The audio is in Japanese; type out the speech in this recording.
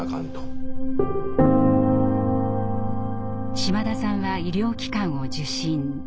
島田さんは医療機関を受診。